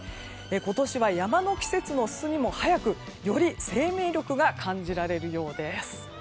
今年は山の季節の進みも早くより生命力が感じられるようです。